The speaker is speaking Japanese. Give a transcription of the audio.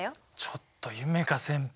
ちょっと夢叶先輩。